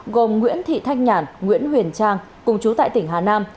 gồm nguyễn thị thanh nhàn nguyễn huyền trang cùng chú tại tỉnh hà nam